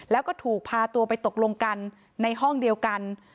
แล้วก็ถูกพาตัวไปตกลงกันในห้องเดียวกัน